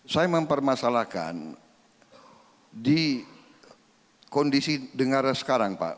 saya mempermasalahkan di kondisi dengarnya sekarang pak